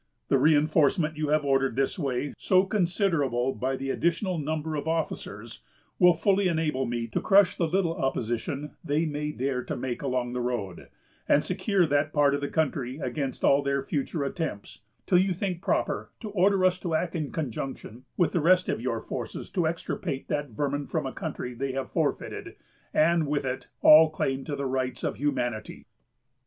The reinforcement you have ordered this way, so considerable by the additional number of officers, will fully enable me to crush the little opposition they may dare to make along the road, and secure that part of the country against all their future attempts, till you think proper to order us to act in conjunction with the rest of your forces to extirpate that vermin from a country they have forfeited, and, with it, all claim to the rights of humanity."